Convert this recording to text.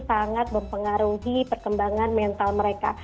sangat mempengaruhi perkembangan mental mereka